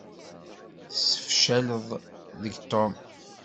Tessefcaleḍ deg Tom.